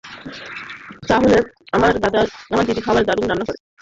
তা নাহলে আমার দিদি খাবার দারুন রান্না করে।